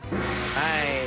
はい。